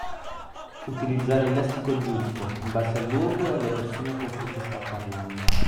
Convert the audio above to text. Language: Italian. Utilizzare il lessico giusto, in base al luogo e alle persone con cui si sta parlando